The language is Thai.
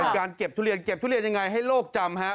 การเก็บทุเรียนเก็บทุเรียนยังไงให้โลกจำครับ